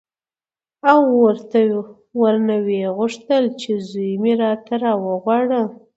او ورنه ویې غوښتل چې زوی مې راته راوغواړه.